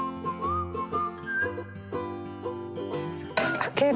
開ける。